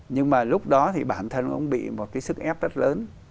nhưng mà lúc đó thì bản thân ông bị một cái sức ép rất lớn